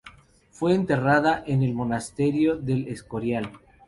Fue enterrada en el Monasterio de El Escorial.